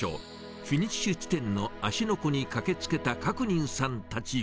フィニッシュ地点の芦ノ湖に駆けつけた覚仁さんたちは。